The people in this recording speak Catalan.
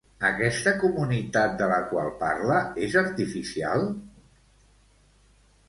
Aquesta comunitat de la qual parla és artificial?